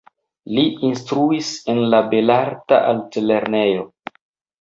Li instruis en la Belarta Altlernejo.